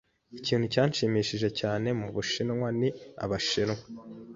Ikintu cyanshimishije cyane mu Bushinwa ni Abashinwa.